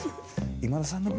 今田さんの分。